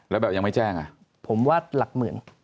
แล้วแบบยังไม่แจ้งอ่ะผมว่าหลักหมื่น